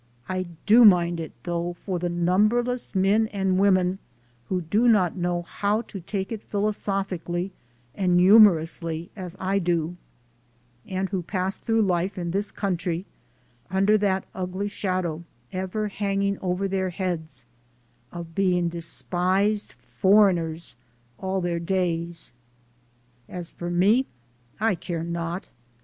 I do mind it though for the numberless men and women who do not know how to take it philosophically and humorously as I do, and who pass through life in this country under that ugly shadow, ever hanging over their heads, of being despised "foreigners" all their days. As for me I care not